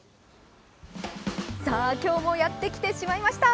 さあ、今日もやってきてしまいました！